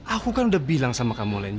aku kan udah bilang sama kamu lain